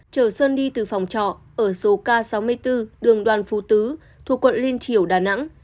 chở sơn đi từ phòng trọ ở số k sáu mươi bốn đường đoàn phú tứ thuộc quận liên triều đà nẵng